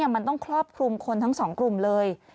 มันต้องครอบคลุมคนทั้งสองกลุ่มเลย